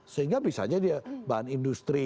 sehingga bisa jadi bahan industri